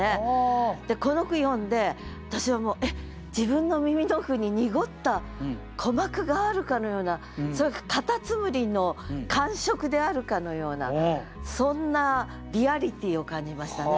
この句読んで私はもうえっ自分の耳の奥に濁った鼓膜があるかのようなそれが蝸牛の感触であるかのようなそんなリアリティーを感じましたね。